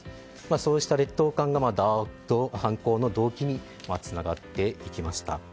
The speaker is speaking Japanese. そうした劣等感が犯行の動機につながっていきました。